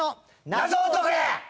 謎を解け！